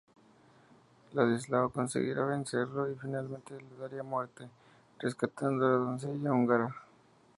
Ladislao conseguiría vencerlo y finalmente le daría muerte, rescatando a la doncella húngara.